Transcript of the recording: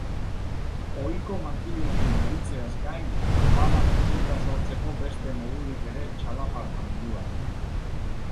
Ohiko makilekin aritzeaz gain, bada musika sortzeko beste modurik ere txalaparta munduan.